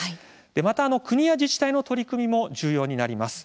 また、国や自治体の取り組みも重要となります。